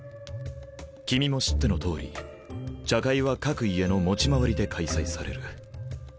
君も知ってのとおり茶会は各家の持ち回りで開催される。